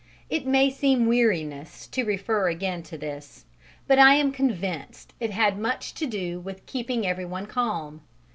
It may seem weariness to refer again to this, but I am convinced it had much to do with keeping everyone calm.